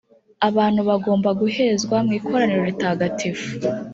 abantu bagomba guhezwa mu ikoraniro ritagatifu